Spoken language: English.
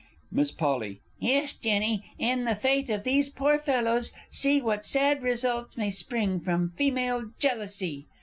Miss Polly. Yes, Jenny, in the fate of these poor fellows see What sad results may spring from female jealousy!